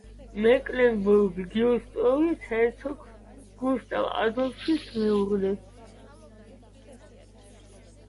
მეკლენბურგ-გიუსტროვის ჰერცოგ გუსტავ ადოლფის მეუღლე.